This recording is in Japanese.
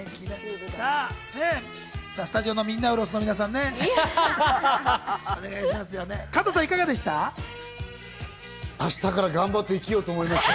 スタジオのミンナウロスの皆さんね、お願いしますよ。